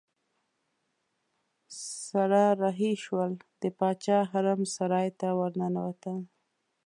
سره رهي شول د باچا حرم سرای ته ورننوتل.